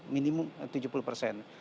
minimum tujuh puluh persen